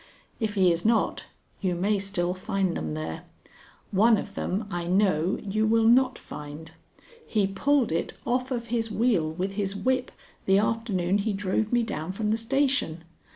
If he is not, you may still find them there. One of them, I know, you will not find. He pulled it off of his wheel with his whip the afternoon he drove me down from the station.